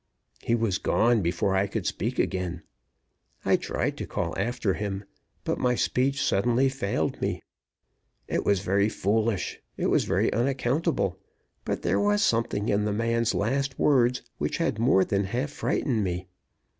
He was gone before I could speak again. I tried to call after him, but my speech suddenly failed me. It was very foolish, it was very unaccountable, but there was something in the man's last words which had more than half frightened me.